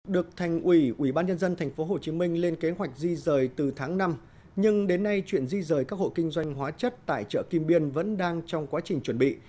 được thành ủy ubnd tp hcm lên kế hoạch di rời từ tháng năm nhưng đến nay chuyện di rời các hội kinh doanh hóa chất tại chợ kim biên vẫn đang trong quá trình chuẩn bị